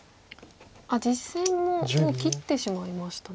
実戦ももう切ってしまいましたね。